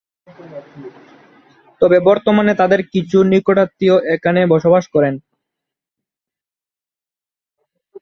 তবে বর্তমানে তাদের কিছু নিকটাত্মীয় এখানে বসবাস করেন।